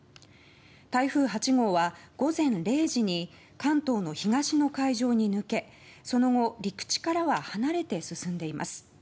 台風８号は、午前０時に関東の東の海上に抜けその後、陸地からは離れて進んでいます。